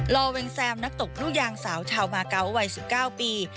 ลอเวงแซมนักตกลูกยางสาวชาวมาเกาะวัย๑๙ปี